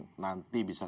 apa hanya seperti ini saja